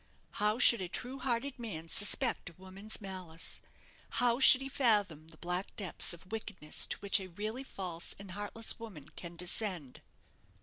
How should a true hearted man suspect a woman's malice? How should he fathom the black depths of wickedness to which a really false and heartless woman can descend?